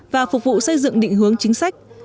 và phục vụ xây dựng định hướng chính sách